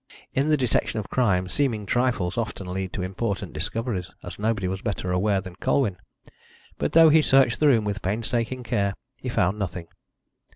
In the detection of crime seeming trifles often lead to important discoveries, as nobody was better aware than Colwyn. But though he searched the room with painstaking care, he found nothing.